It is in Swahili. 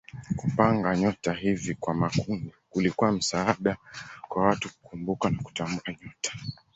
Kupanga nyota hivi kwa makundi kulikuwa msaada kwa watu kukumbuka na kutambua nyota.